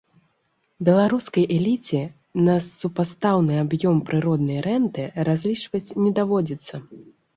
Беларускай эліце на супастаўны аб'ём прыроднай рэнты разлічваць не даводзіцца.